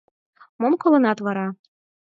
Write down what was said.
— Мом колынат вара?